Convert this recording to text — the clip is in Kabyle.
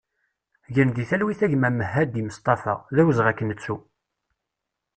Gen di talwit a gma Mehadi Mestafa, d awezɣi ad k-nettu!